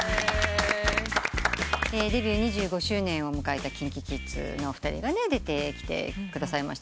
デビュー２５周年を迎えたＫｉｎＫｉＫｉｄｓの２人が出てきてくださいました。